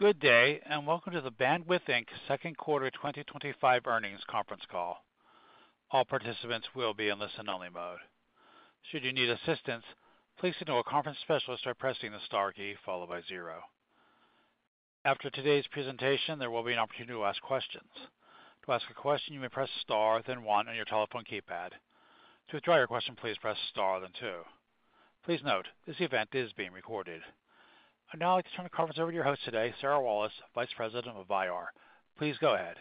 Good day, and welcome to the Bandwidth Inc. second quarter 2025 earnings conference call. All participants will be in listen-only mode. Should you need assistance, please say to a conference specialist by pressing the star key followed by zero. After today's presentation, there will be an opportunity to ask questions. To ask a question, you may press star then one on your telephone keypad. To withdraw your question, please press star then two. Please note, this event is being recorded. I'd now like to turn the conference over to your host today, Sarah Wallace, Vice President of IR. Please go ahead.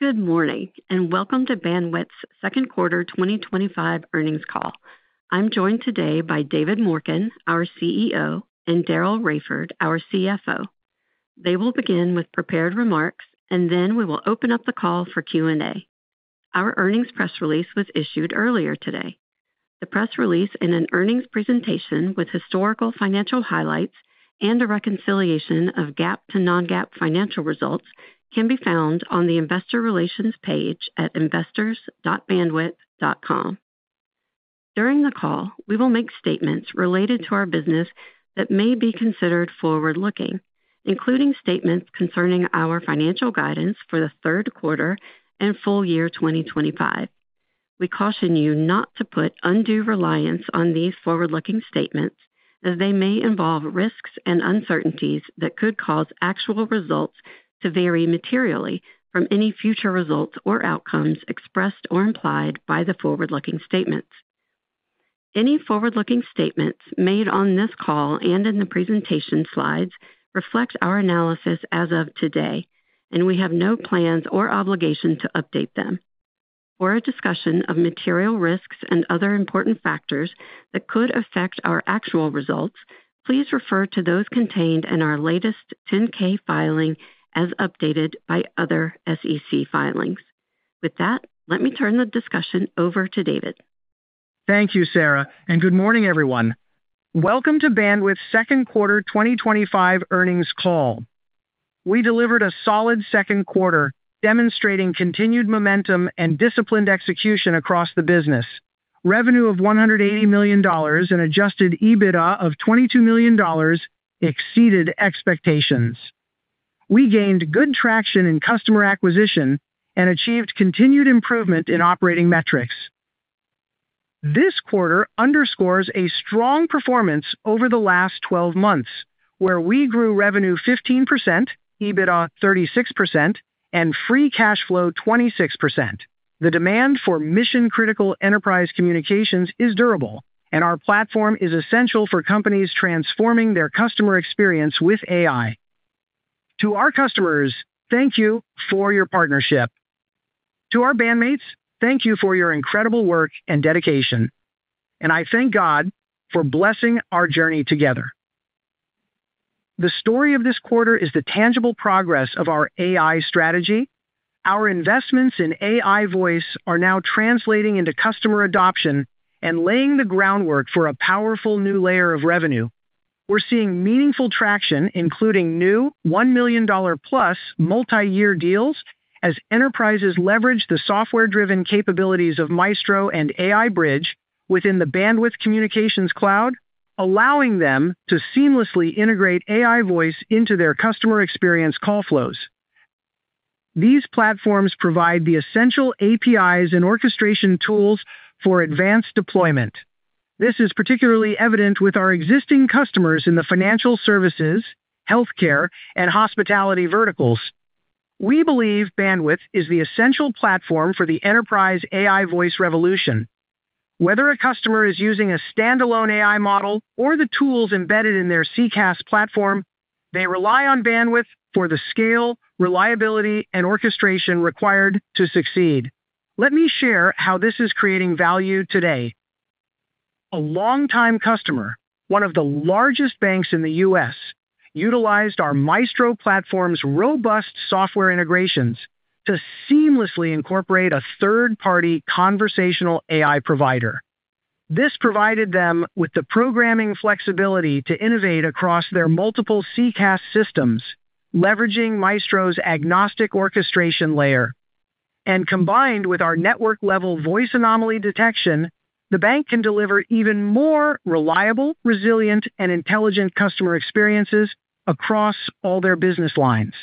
Good morning, and welcome to Bandwidth Inc.'s second quarter 2025 earnings call. I'm joined today by David Morken, our CEO, and Daryl Raiford, our CFO. They will begin with prepared remarks, and then we will open up the call for Q&A. Our earnings press release was issued earlier today. The press release and an earnings presentation with historical financial highlights and a reconciliation of GAAP to non-GAAP financial results can be found on the investor relations page at investors.bandwidth.com. During the call, we will make statements related to our business that may be considered forward-looking, including statements concerning our financial guidance for the third quarter and full year 2025. We caution you not to put undue reliance on these forward-looking statements, as they may involve risks and uncertainties that could cause actual results to vary materially from any future results or outcomes expressed or implied by the forward-looking statements. Any forward-looking statements made on this call and in the presentation slides reflect our analysis as of today, and we have no plans or obligation to update them. For a discussion of material risks and other important factors that could affect our actual results, please refer to those contained in our latest 10-K filing as updated by other SEC filings. With that, let me turn the discussion over to David. Thank you, Sarah, and good morning, everyone. Welcome to Bandwidth's second quarter 2025 earnings call. We delivered a solid second quarter, demonstrating continued momentum and disciplined execution across the business. Revenue of $180 million and adjusted EBITDA of $22 million exceeded expectations. We gained good traction in customer acquisition and achieved continued improvement in operating metrics. This quarter underscores a strong performance over the last 12 months, where we grew revenue 15%, EBITDA 36%, and free cash flow 26%. The demand for mission-critical enterprise communications is durable, and our platform is essential for companies transforming their customer experience with AI. To our customers, thank you for your partnership. To our bandmates, thank you for your incredible work and dedication. I thank God for blessing our journey together. The story of this quarter is the tangible progress of our AI strategy. Our investments in AI voice are now translating into customer adoption and laying the groundwork for a powerful new layer of revenue. We're seeing meaningful traction, including new $1 million plus multi-year deals as enterprises leverage the software-driven capabilities of Maestro and AI Bridge within the Bandwidth Communications Cloud, allowing them to seamlessly integrate AI voice into their customer experience call flows. These platforms provide the essential APIs and orchestration tools for advanced deployment. This is particularly evident with our existing customers in the financial services, healthcare, and hospitality verticals. We believe Bandwidth is the essential platform for the enterprise AI voice revolution. Whether a customer is using a standalone AI model or the tools embedded in their CCaaS platform, they rely on Bandwidth for the scale, reliability, and orchestration required to succeed. Let me share how this is creating value today. A longtime customer, one of the largest banks in the U.S., utilized our Maestro platform's robust software integrations to seamlessly incorporate a third-party conversational AI provider. This provided them with the programming flexibility to innovate across their multiple CCaaS systems, leveraging Maestro's agnostic orchestration layer. Combined with our network-level voice anomaly detection, the bank can deliver even more reliable, resilient, and intelligent customer experiences across all their business lines.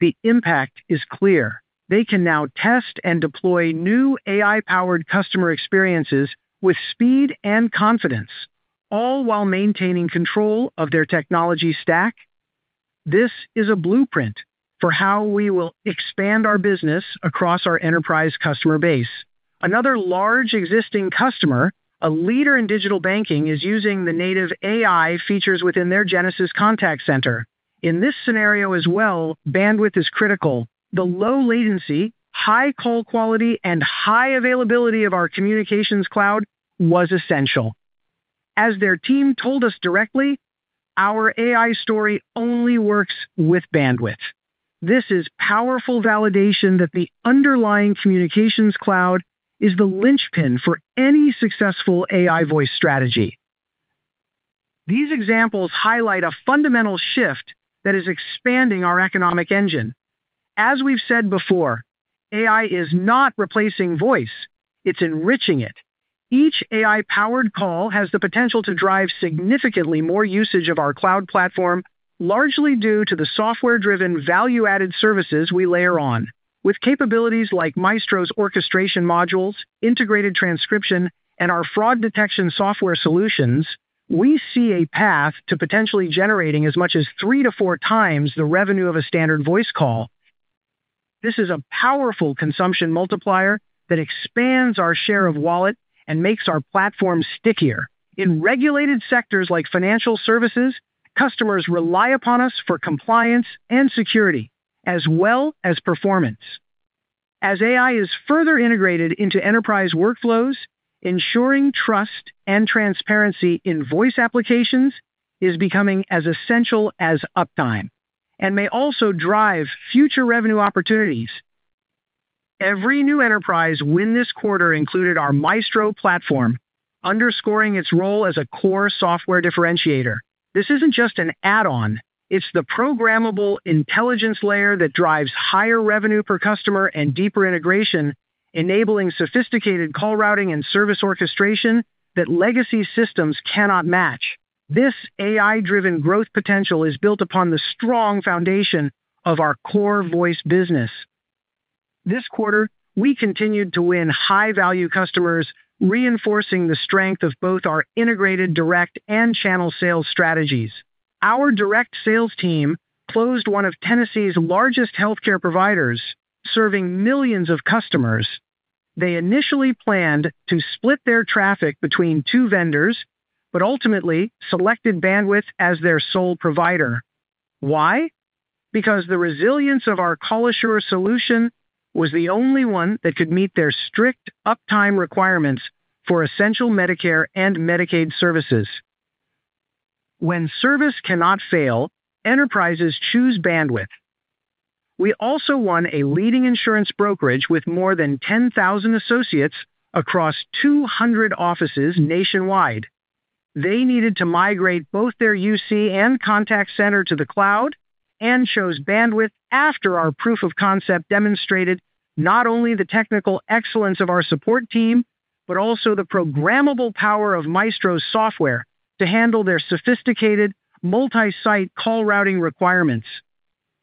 The impact is clear. They can now test and deploy new AI-powered customer experiences with speed and confidence, all while maintaining control of their technology stack. This is a blueprint for how we will expand our business across our enterprise customer base. Another large existing customer, a leader in digital banking, is using the native AI features within their Genesys contact center. In this scenario as well, Bandwidth is critical. The low latency, high call quality, and high availability of our Bandwidth Communications Cloud was essential. As their team told us directly, our AI story only works with Bandwidth. This is powerful validation that the underlying Bandwidth Communications Cloud is the linchpin for any successful AI voice strategy. These examples highlight a fundamental shift that is expanding our economic engine. As we've said before, AI is not replacing voice; it's enriching it. Each AI-powered call has the potential to drive significantly more usage of our cloud platform, largely due to the software-driven value-added services we layer on. With capabilities like Maestro's orchestration modules, integrated transcription, and our fraud detection software solutions, we see a path to potentially generating as much as three to four times the revenue of a standard voice call. This is a powerful consumption multiplier that expands our share of wallet and makes our platform stickier. In regulated sectors like financial services, customers rely upon us for compliance and security, as well as performance. As AI is further integrated into enterprise workflows, ensuring trust and transparency in voice applications is becoming as essential as uptime and may also drive future revenue opportunities. Every new enterprise win this quarter included our Maestro platform, underscoring its role as a core software differentiator. This isn't just an add-on; it's the programmable intelligence layer that drives higher revenue per customer and deeper integration, enabling sophisticated call routing and service orchestration that legacy systems cannot match. This AI-driven growth potential is built upon the strong foundation of our core voice business. This quarter, we continued to win high-value customers, reinforcing the strength of both our integrated direct and channel sales strategies. Our direct sales team closed one of Tennessee's largest healthcare providers, serving millions of customers. They initially planned to split their traffic between two vendors, but ultimately selected Bandwidth as their sole provider. Why? Because the resilience of our Call Assurer solution was the only one that could meet their strict uptime requirements for essential Medicare and Medicaid services. When service cannot fail, enterprises choose Bandwidth. We also won a leading insurance brokerage with more than 10,000 associates across 200 offices nationwide. They needed to migrate both their UC and contact center to the cloud and chose Bandwidth after our proof of concept demonstrated not only the technical excellence of our support team, but also the programmable power of Maestro's software to handle their sophisticated multi-site call routing requirements.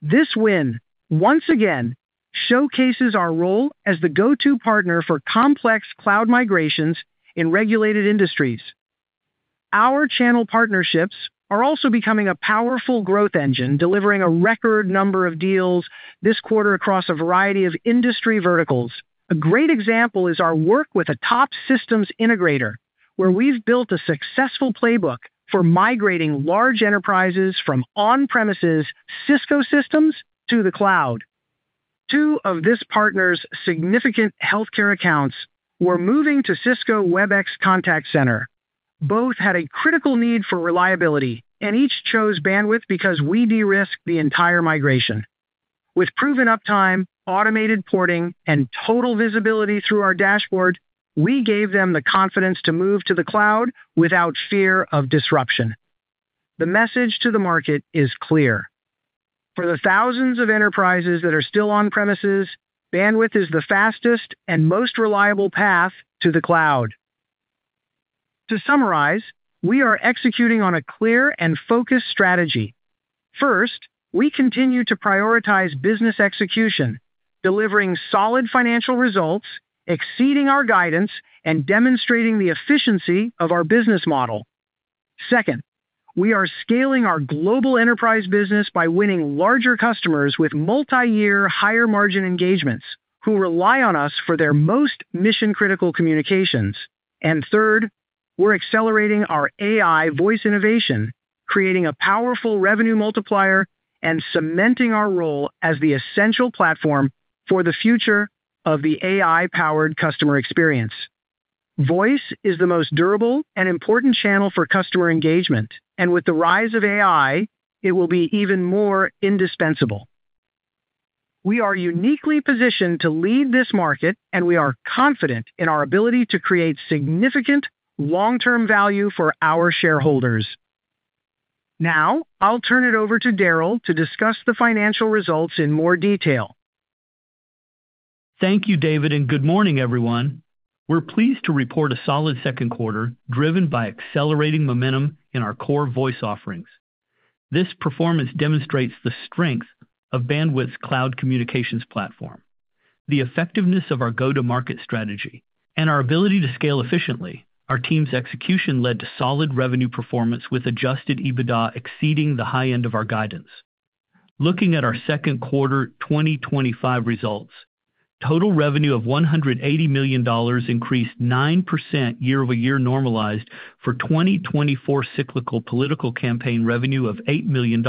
This win, once again, showcases our role as the go-to partner for complex cloud migrations in regulated industries. Our channel partnerships are also becoming a powerful growth engine, delivering a record number of deals this quarter across a variety of industry verticals. A great example is our work with a top systems integrator, where we've built a successful playbook for migrating large enterprises from on-premises Cisco systems to the cloud. Two of this partner's significant healthcare accounts were moving to Cisco Webex contact center. Both had a critical need for reliability, and each chose Bandwidth because we de-risked the entire migration. With proven uptime, automated porting, and total visibility through our dashboard, we gave them the confidence to move to the cloud without fear of disruption. The message to the market is clear. For the thousands of enterprises that are still on premises, Bandwidth is the fastest and most reliable path to the cloud. To summarize, we are executing on a clear and focused strategy. First, we continue to prioritize business execution, delivering solid financial results, exceeding our guidance, and demonstrating the efficiency of our business model. Second, we are scaling our global enterprise business by winning larger customers with multi-year higher margin engagements, who rely on us for their most mission-critical communications. Third, we're accelerating our AI voice innovation, creating a powerful revenue multiplier and cementing our role as the essential platform for the future of the AI-powered customer experience. Voice is the most durable and important channel for customer engagement, and with the rise of AI, it will be even more indispensable. We are uniquely positioned to lead this market, and we are confident in our ability to create significant long-term value for our shareholders. Now, I'll turn it over to Daryl to discuss the financial results in more detail. Thank you, David, and good morning, everyone. We're pleased to report a solid second quarter driven by accelerating momentum in our core voice offerings. This performance demonstrates the strength of Bandwidth's cloud communications platform, the effectiveness of our go-to-market strategy, and our ability to scale efficiently. Our team's execution led to solid revenue performance with adjusted EBITDA exceeding the high end of our guidance. Looking at our second quarter 2025 results, total revenue of $180 million increased 9% year-over-year normalized for 2024 cyclical political campaign revenue of $8 million.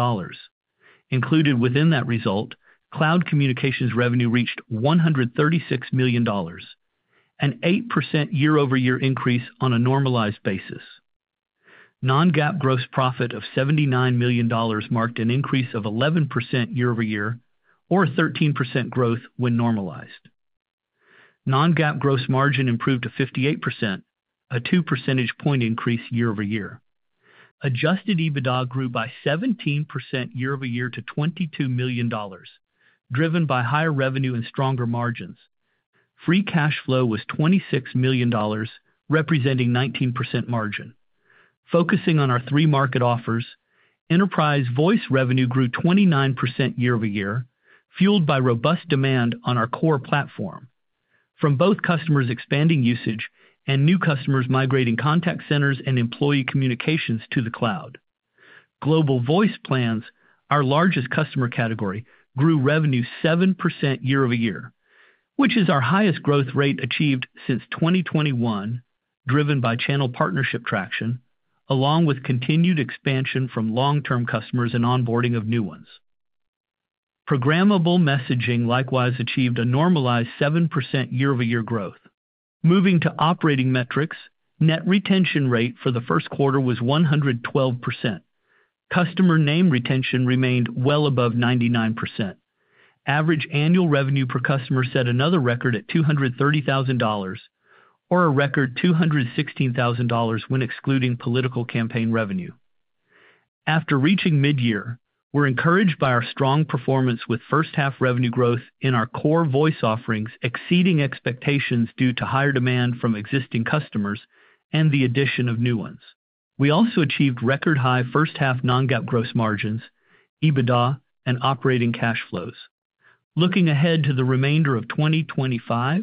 Included within that result, cloud communications revenue reached $136 million, an 8% year-over-year increase on a normalized basis. Non-GAAP gross profit of $79 million marked an increase of 11% year-over-year, or a 13% growth when normalized. Non-GAAP gross margin improved to 58%, a 2 percentage point increase year-over-year. Adjusted EBITDA grew by 17% year-over-year to $22 million, driven by higher revenue and stronger margins. Free cash flow was $26 million, representing 19% margin. Focusing on our three market offers, enterprise voice revenue grew 29% year-over-year, fueled by robust demand on our core platform, from both customers expanding usage and new customers migrating contact centers and employee communications to the cloud. Global Voice Plans, our largest customer category, grew revenue 7% year-over-year, which is our highest growth rate achieved since 2021, driven by channel partnership traction, along with continued expansion from long-term customers and onboarding of new ones. Programmable messaging likewise achieved a normalized 7% year-over-year growth. Moving to operating metrics, net retention rate for the first quarter was 112%. Customer name retention remained well above 99%. Average annual revenue per customer set another record at $230,000, or a record $216,000 when excluding political campaign revenue. After reaching mid-year, we're encouraged by our strong performance with first-half revenue growth in our core voice offerings, exceeding expectations due to higher demand from existing customers and the addition of new ones. We also achieved record high first-half non-GAAP gross margins, EBITDA, and operating cash flows. Looking ahead to the remainder of 2025,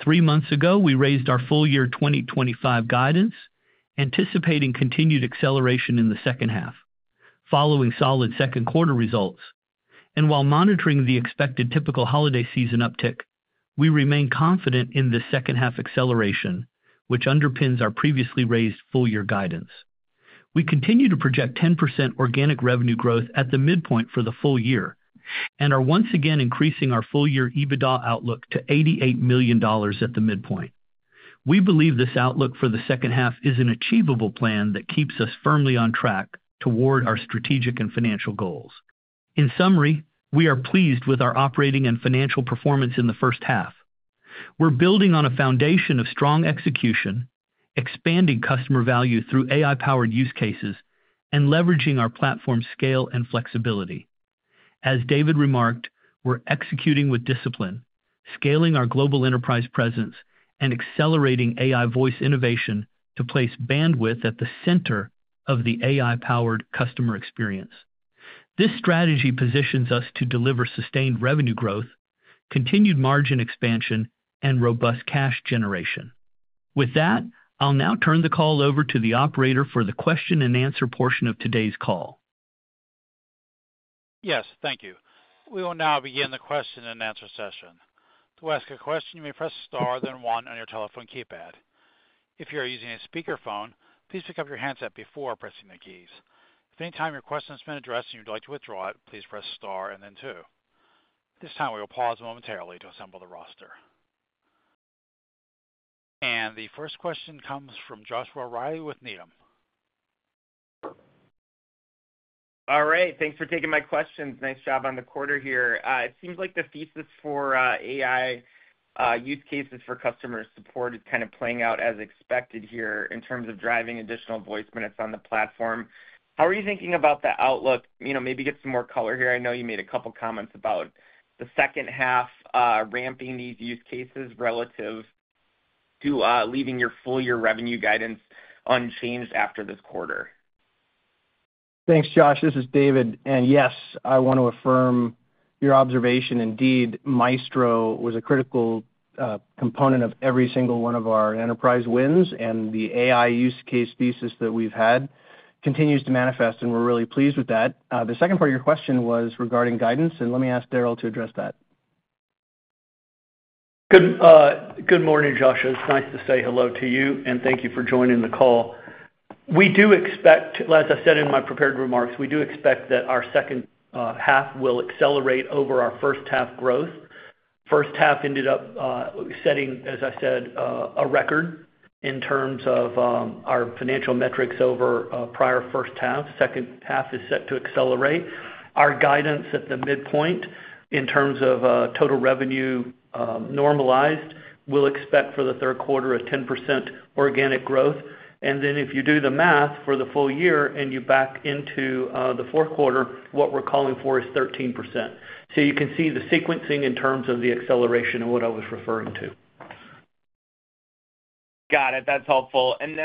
three months ago we raised our full-year 2025 guidance, anticipating continued acceleration in the second half, following solid second quarter results. While monitoring the expected typical holiday season uptick, we remain confident in this second half acceleration, which underpins our previously raised full-year guidance. We continue to project 10% organic revenue growth at the midpoint for the full year and are once again increasing our full-year EBITDA outlook to $88 million at the midpoint. We believe this outlook for the second half is an achievable plan that keeps us firmly on track toward our strategic and financial goals. In summary, we are pleased with our operating and financial performance in the first half. We're building on a foundation of strong execution, expanding customer value through AI-powered use cases, and leveraging our platform's scale and flexibility. As David remarked, we're executing with discipline, scaling our global enterprise presence, and accelerating AI voice innovation to place Bandwidth at the center of the AI-powered customer experience. This strategy positions us to deliver sustained revenue growth, continued margin expansion, and robust cash generation. With that, I'll now turn the call over to the operator for the question and answer portion of today's call. Yes, thank you. We will now begin the question and answer session. To ask a question, you may press star then one on your telephone keypad. If you are using a speakerphone, please pick up your handset before pressing the keys. If at any time your question has been addressed and you'd like to withdraw it, please press star and then two. At this time, we will pause momentarily to assemble the roster. The first question comes from Joshua Reilly with Needham. All right, thanks for taking my question. Nice job on the quarter here. It seems like the thesis for AI use cases for customer support is kind of playing out as expected here in terms of driving additional voice minutes on the platform. How are you thinking about the outlook? Maybe get some more color here. I know you made a couple of comments about the second half ramping these use cases relative to leaving your full-year revenue guidance unchanged after this quarter. Thanks, Josh. This is David. Yes, I want to affirm your observation. Indeed, Maestro was a critical component of every single one of our enterprise wins, and the AI use case thesis that we've had continues to manifest, and we're really pleased with that. The second part of your question was regarding guidance, and let me ask Daryl to address that. Good morning, Josh. It's nice to say hello to you, and thank you for joining the call. We do expect, as I said in my prepared remarks, that our second half will accelerate over our first half growth. First half ended up setting, as I said, a record in terms of our financial metrics over prior first halves. Second half is set to accelerate. Our guidance at the midpoint in terms of total revenue normalized, we'll expect for the third quarter a 10% organic growth. If you do the math for the full year and you back into the fourth quarter, what we're calling for is 13%. You can see the sequencing in terms of the acceleration and what I was referring to. Got it. That's helpful. In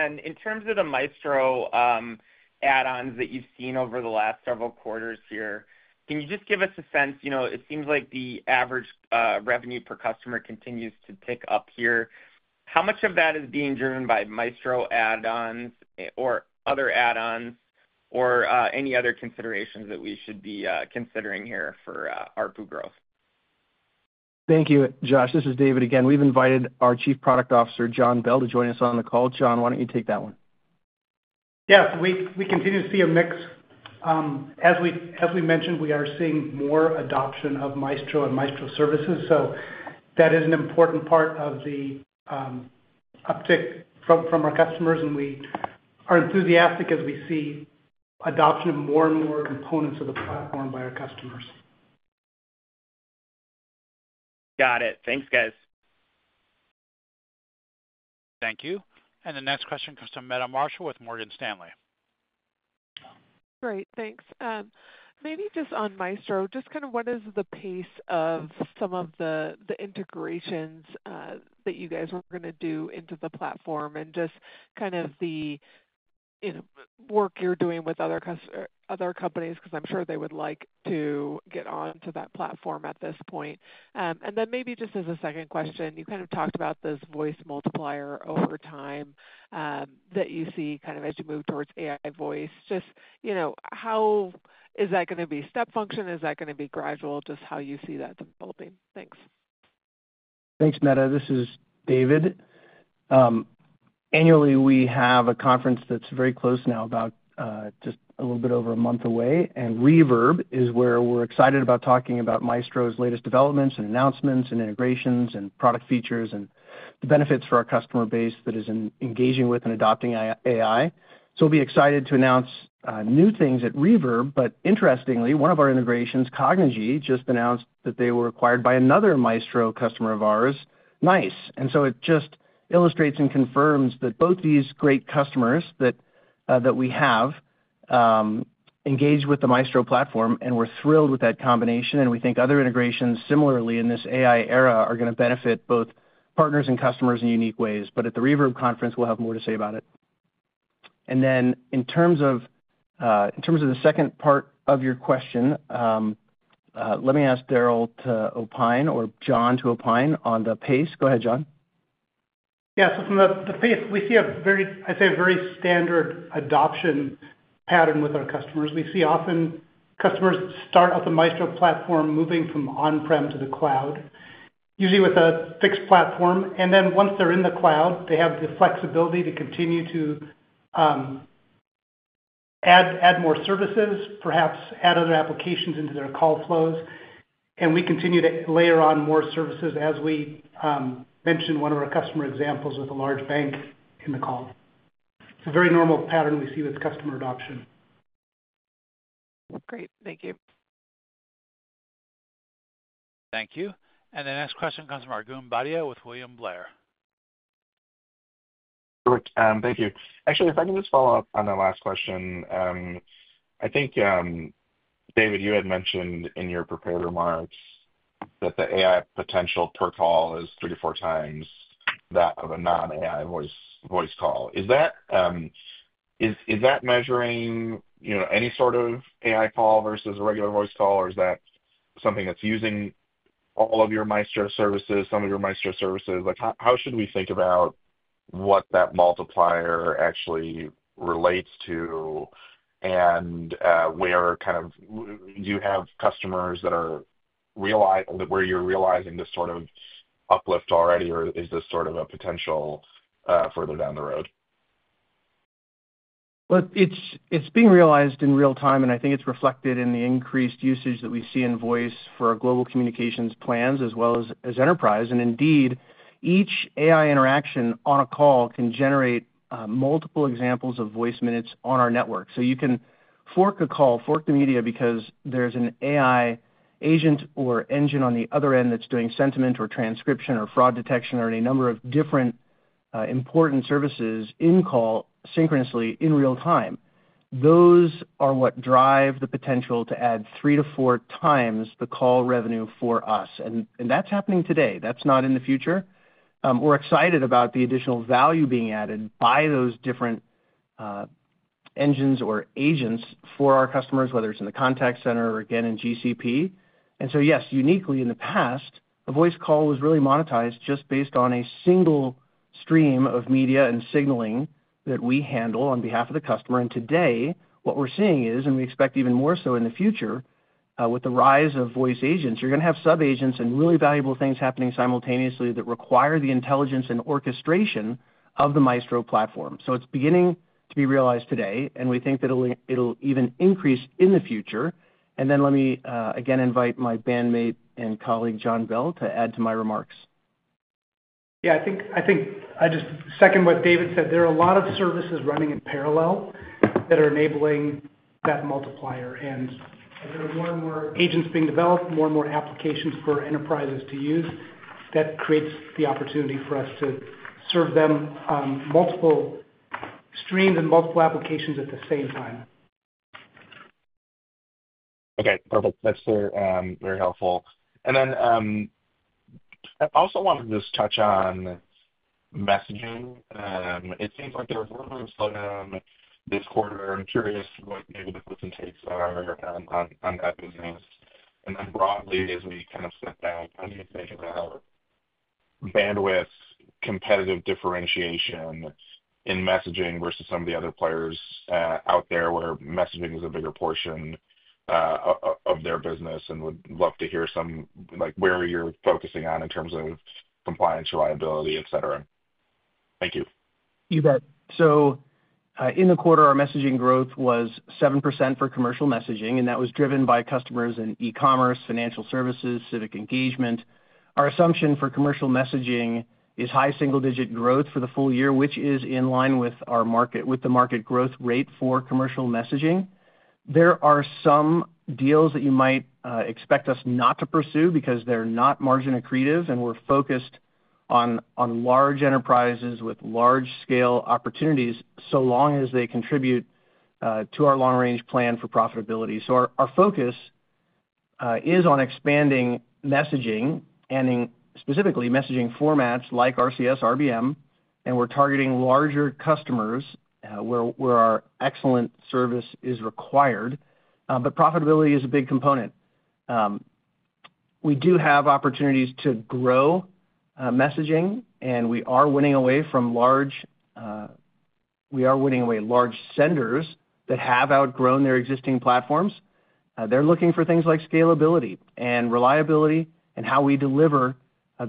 terms of the Maestro add-ons that you've seen over the last several quarters here, can you just give us a sense? It seems like the average revenue per customer continues to tick up here. How much of that is being driven by Maestro add-ons or other add-ons or any other considerations that we should be considering here for our growth? Thank you, Josh. This is David again. We've invited our Chief Product Officer, John Bell, to join us on the call. John, why don't you take that one? We continue to see a mix. As we mentioned, we are seeing more adoption of Maestro and Maestro services. That is an important part of the uptick from our customers, and we are enthusiastic as we see adoption of more and more components of the platform by our customers. Got it. Thanks, guys. Thank you. The next question comes to Meta Marshall with Morgan Stanley. Great, thanks. Maybe just on Maestro, what is the pace of some of the integrations that you guys are going to do into the platform and the work you're doing with other companies because I'm sure they would like to get onto that platform at this point. Maybe just as a second question, you talked about this voice multiplier over time that you see as you move towards AI voice. How is that going to be step function? Is that going to be gradual? How do you see that developing? Thanks. Thanks, Meta. This is David. Annually, we have a conference that's very close now, about just a little bit over a month away, and Reverb is where we're excited about talking about Maestro's latest developments, announcements, integrations, product features, and the benefits for our customer base that is engaging with and adopting AI. We'll be excited to announce new things at Reverb. Interestingly, one of our integrations, Cognigy, just announced that they were acquired by another Maestro customer of ours, NiCE. It just illustrates and confirms that both these great customers that we have engaged with the Maestro platform, and we're thrilled with that combination. We think other integrations similarly in this AI era are going to benefit both partners and customers in unique ways. At the Reverb conference, we'll have more to say about it. In terms of the second part of your question, let me ask Daryl to opine or John to opine on the pace. Go ahead, John. Yeah, from the pace, we see a very, I'd say, a very standard adoption pattern with our customers. We see often customers start out the Maestro platform moving from on-prem to the cloud, usually with a fixed platform. Once they're in the cloud, they have the flexibility to continue to add more services, perhaps add other applications into their call flows. We continue to layer on more services as we mention one of our customer examples with a large bank in the call. It's a very normal pattern we see with customer adoption. Great, thank you. Thank you. The next question comes from Arjun Bhatia with William Blair. Thank you. Actually, if I can just follow up on the last question, I think David, you had mentioned in your prepared remarks that the AI potential per call is three to four times that of a non-AI voice call. Is that measuring, you know, any sort of AI call versus a regular voice call, or is that something that's using all of your Maestro services, some of your Maestro services? How should we think about what that multiplier actually relates to and where do you have customers that are where you're realizing this sort of uplift already, or is this sort of a potential further down the road? It's being realized in real time, and I think it's reflected in the increased usage that we see in voice for our Global Voice Plans as well as enterprise. Indeed, each AI interaction on a call can generate multiple examples of voice minutes on our network. You can fork a call, fork the media because there's an AI agent or engine on the other end that's doing sentiment or transcription or fraud detection or any number of different important services in call synchronously in real time. Those are what drive the potential to add three to four times the call revenue for us, and that's happening today. That's not in the future. We're excited about the additional value being added by those different engines or agents for our customers, whether it's in the contact center or again in GCP. Uniquely in the past, the voice call was really monetized just based on a single stream of media and signaling that we handle on behalf of the customer. Today, what we're seeing is, and we expect even more so in the future, with the rise of voice agents, you're going to have sub-agents and really valuable things happening simultaneously that require the intelligence and orchestration of the Maestro platform. It's beginning to be realized today, and we think that it'll even increase in the future. Let me again invite my bandmate and colleague John Bell to add to my remarks. I think I just second what David said. There are a lot of services running in parallel that are enabling that multiplier. As there are more and more agents being developed, more and more applications for enterprises to use, that creates the opportunity for us to serve them multiple streams and multiple applications at the same time. Okay, perfect. That's very helpful. I also want to just touch on messaging. It seems like there was a little slowdown this quarter. I'm curious what maybe the glutton tastes are on that business. Broadly, as we kind of step back, I need to think about Bandwidth's competitive differentiation in messaging versus some of the other players out there where messaging is a bigger portion of their business and would love to hear some, like where you're focusing on in terms of compliance, reliability, etc. Thank you. You bet. In the quarter, our messaging growth was 7% for commercial messaging, and that was driven by customers in e-commerce, financial services, and civic engagement. Our assumption for commercial messaging is high single-digit growth for the full year, which is in line with the market growth rate for commercial messaging. There are some deals that you might expect us not to pursue because they're not margin accretive, and we're focused on large enterprises with large-scale opportunities so long as they contribute to our long-range plan for profitability. Our focus is on expanding messaging and specifically messaging formats like RCS and RBM, and we're targeting larger customers where our excellent service is required, but profitability is a big component. We do have opportunities to grow messaging, and we are winning away large senders that have outgrown their existing platforms. They're looking for things like scalability and reliability and how we deliver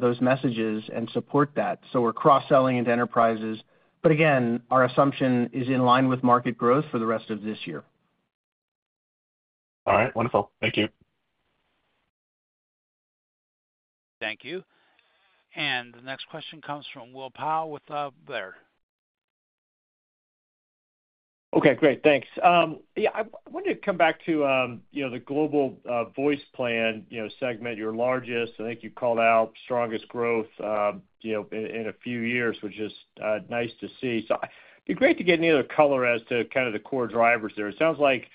those messages and support that. We're cross-selling into enterprises, but again, our assumption is in line with market growth for the rest of this year. All right, wonderful. Thank you. Thank you. The next question comes from Will Power with Baird. Okay, great. Thanks. I wanted to come back to the Global Voice Plans segment, your largest. I think you called out strongest growth in a few years, which is nice to see. It would be great to get any other color as to the core drivers there. It sounds like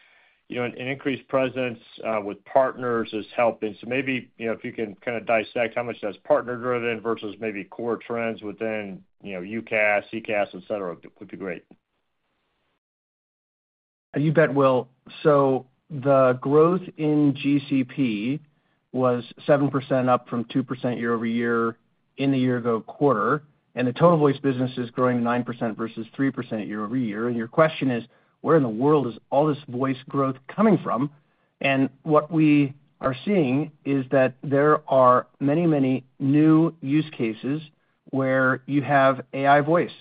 an increased presence with partners is helping. Maybe, if you can dissect how much that's partner-driven versus core trends within UCaaS, CCaaS, etc., it would be great. You bet, Will. The growth in GCP was 7%, up from 2% year-over-year in the year-ago quarter, and the total voice business is growing 9% versus 3% year-over-year. Your question is, where in the world is all this voice growth coming from? What we are seeing is that there are many, many new use cases where you have AI voice.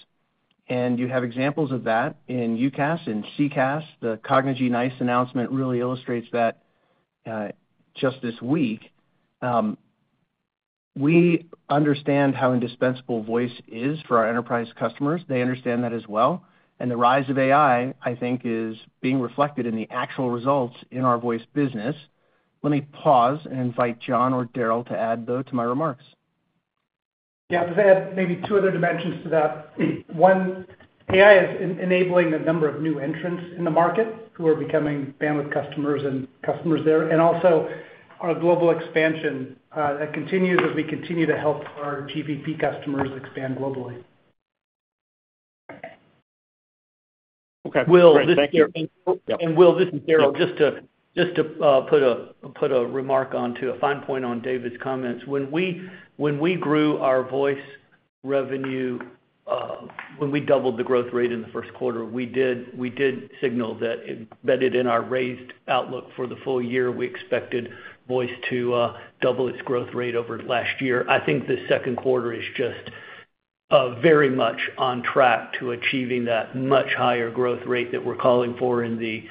You have examples of that in UCaaS and CCaaS. The Cognigy NiCE announcement really illustrates that just this week. We understand how indispensable voice is for our enterprise customers. They understand that as well. The rise of AI, I think, is being reflected in the actual results in our voice business. Let me pause and invite John or Daryl to add to my remarks. Yeah, I'll just add maybe two other dimensions to that. One, AI is enabling a number of new entrants in the market who are becoming Bandwidth customers and customers there, and also our global expansion that continues as we continue to help our Global Voice Plans customers expand globally. Okay, thank you. Will, this is Daryl, just to put a remark onto a fine point on David's comments. When we grew our voice revenue, when we doubled the growth rate in the first quarter, we did signal that embedded in our raised outlook for the full year, we expected voice to double its growth rate over last year. I think this second quarter is just very much on track to achieving that much higher growth rate that we're calling for in the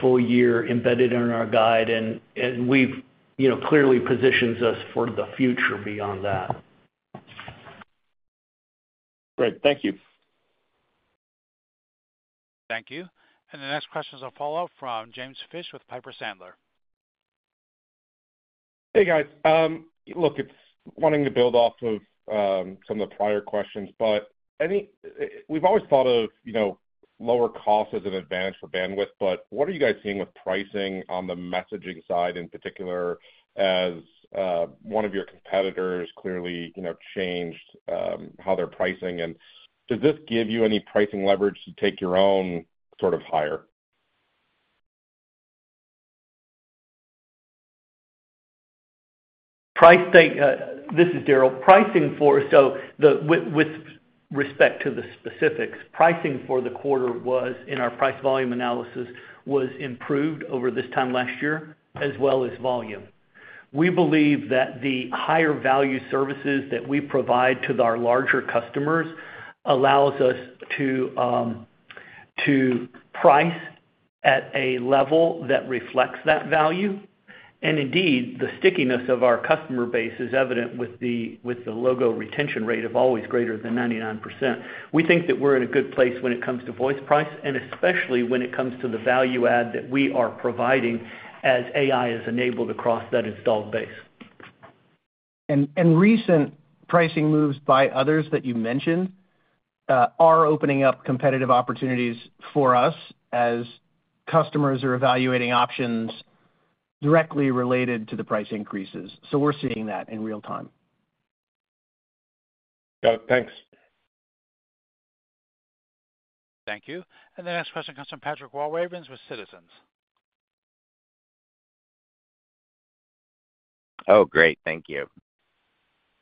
full year embedded in our guide, and we've clearly positioned us for the future beyond that. Great, thank you. Thank you. The next question is a follow-up from James Fish with Piper Sandler. Hey guys, look, it's wanting to build off of some of the prior questions, but we've always thought of, you know, lower cost as an advantage for Bandwidth, but what are you guys seeing with pricing on the messaging side in particular as one of your competitors clearly, you know, changed how they're pricing? Does this give you any pricing leverage to take your own sort of higher? This is Daryl. Pricing for, so with respect to the specifics, pricing for the quarter was in our price volume analysis was improved over this time last year, as well as volume. We believe that the higher value services that we provide to our larger customers allow us to price at a level that reflects that value. Indeed, the stickiness of our customer base is evident with the logo retention rate of always greater than 99%. We think that we're in a good place when it comes to voice price, especially when it comes to the value add that we are providing as AI is enabled across that installed base. Recent pricing moves by others that you mentioned are opening up competitive opportunities for us as customers are evaluating options directly related to the price increases. We're seeing that in real time. Got it, thanks. Thank you. The next question comes from Pat Walravens with Citizens. Oh, great, thank you.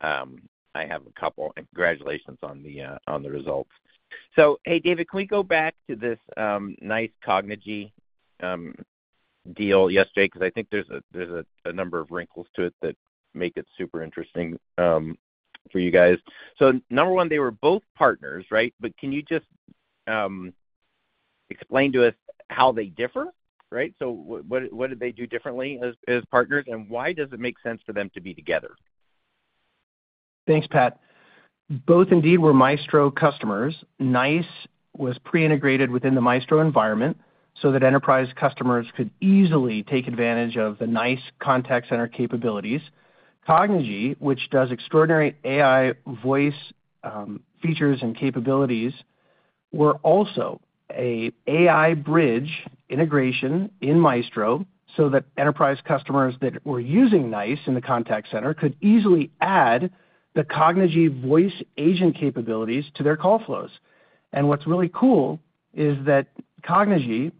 I have a couple, and congratulations on the results. David, can we go back to this NiCECognigy deal yesterday? I think there's a number of wrinkles to it that make it super interesting for you guys. Number one, they were both partners, right? Can you just explain to us how they differ, right? What did they do differently as partners? Why does it make sense for them to be together? Thanks, Pat. Both indeed were Maestro customers. NiCE was pre-integrated within the Maestro environment so that enterprise customers could easily take advantage of the NiCE contact center capabilities. Cognigy, which does extraordinary AI voice features and capabilities, was also an AI Bridge integration in Maestro so that enterprise customers that were using NiCE in the contact center could easily add the Cognigy voice agent capabilities to their call flows. What's really cool is that Cognigy,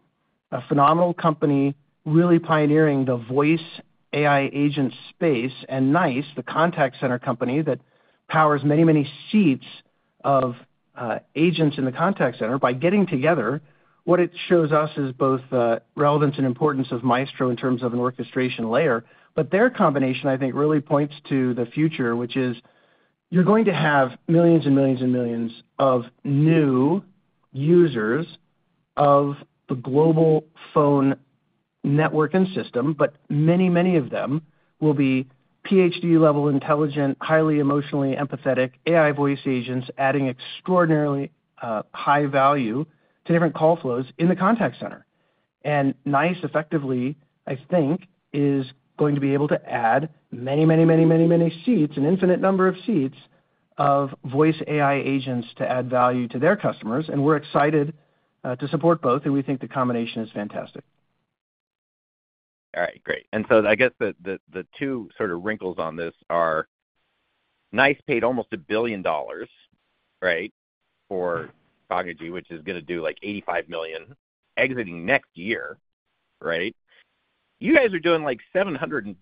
a phenomenal company, really pioneering the voice AI agent space, and NiCE, the contact center company that powers many, many seats of agents in the contact center, by getting together, what it shows us is both the relevance and importance of Maestro in terms of an orchestration layer. Their combination, I think, really points to the future, which is you're going to have millions and millions and millions of new users of the global phone network and system, but many of them will be PhD-level intelligent, highly emotionally empathetic AI voice agents adding extraordinarily high value to different call flows in the contact center. NiCE, effectively, I think, is going to be able to add many, many, many, many, many seats, an infinite number of seats of voice AI agents to add value to their customers. We're excited to support both, and we think the combination is fantastic. All right, great. I guess the two sort of wrinkles on this are NiCE paid almost $1 billion, right, for Cognigy, which is going to do like $85 million exiting next year, right? You guys are doing like $750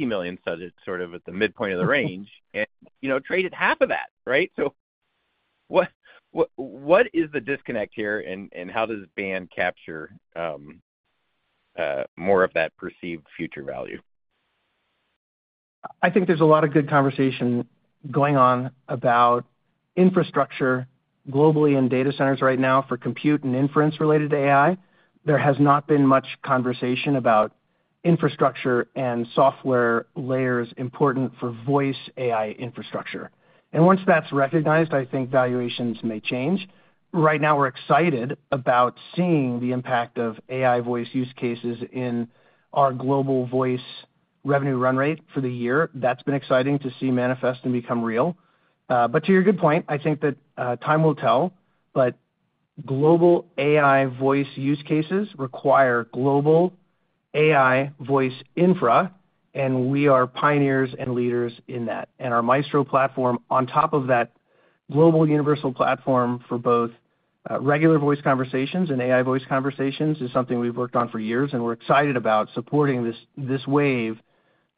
million, so it's sort of at the midpoint of the range, and you know, trade at half of that, right? What is the disconnect here and how does Bandwidth capture more of that perceived future value? I think there's a lot of good conversation going on about infrastructure globally in data centers right now for compute and inference related to AI. There has not been much conversation about infrastructure and software layers important for voice AI infrastructure. Once that's recognized, I think valuations may change. Right now, we're excited about seeing the impact of AI voice use cases in our Global Voice revenue run rate for the year. That's been exciting to see manifest and become real. To your good point, I think that time will tell, but global AI voice use cases require global AI voice infrastructure, and we are pioneers and leaders in that. Our Maestro platform, on top of that global universal platform for both regular voice conversations and AI voice conversations, is something we've worked on for years, and we're excited about supporting this wave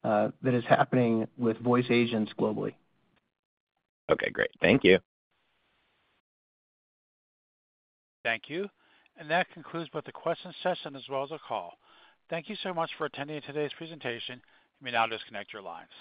that is happening with voice agents globally. Okay, great. Thank you. Thank you. That concludes both the question session and the call. Thank you so much for attending today's presentation. Let me now disconnect your lines.